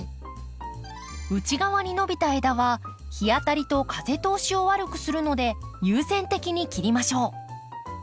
内側に伸びた枝は日当たりと風通しを悪くするので優先的に切りましょう。